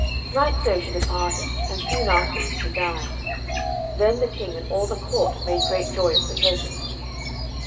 Right so she departed, and soon afterward she died. Then the King and all the court made great joy of Sir Percivale.